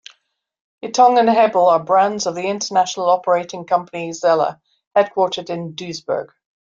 Ytong and Hebel are brands of the international operating company Xella headquartered in Duisburg.